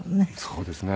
そうですね。